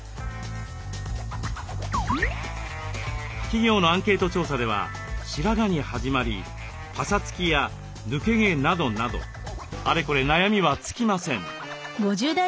企業のアンケート調査では「白髪」に始まり「パサつき」や「抜け毛」などなどあれこれ悩みは尽きません。